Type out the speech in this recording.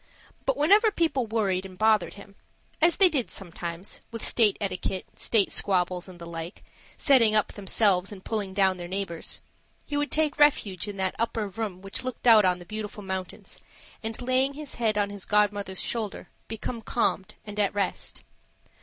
But whenever people worried and bothered him as they did sometimes, with state etiquette, state squabbles, and the like, setting up themselves and pulling down their neighbors he would take refuge in that upper room which looked out on the Beautiful Mountains, and, laying his head on his godmother's shoulder, become calmed and at rest.